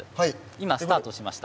今スタートしました。